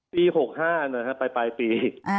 ปี๖๕นะครับไปปลายปี